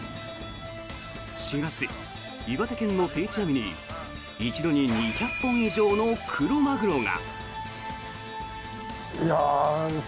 ４月、岩手県の定置網に１度に２００本以上のクロマグロが。